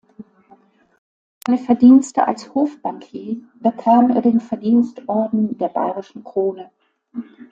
Für seine Verdienste als Hofbankier bekam er den Verdienstorden der Bayerischen Krone.